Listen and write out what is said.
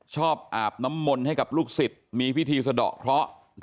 อาบน้ำมนต์ให้กับลูกศิษย์มีพิธีสะดอกเคราะห์